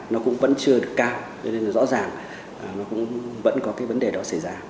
nó cũng vẫn chưa được cao cho nên là rõ ràng nó cũng vẫn có cái vấn đề đó xảy ra